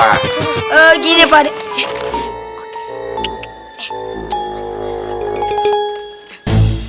ratelah itu isi permisi